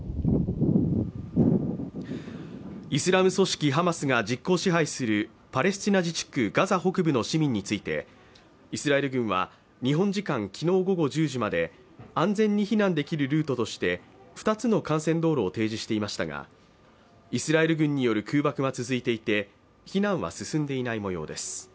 イスラム組織ハマスが実効支配するパレスチナ自治区ガザ北部の市民について、イスラエル軍は日本時間昨日午後１０時まで安全に避難できるルートとして２つの幹線道路を提示していましたがイスラエル軍による空爆は続いていて、避難は進んでいないもようです。